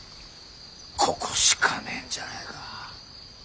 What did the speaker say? ここしかねえんじゃねえか。